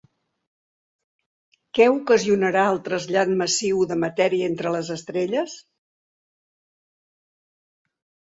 Què ocasionarà el trasllat massiu de matèria entre les estrelles?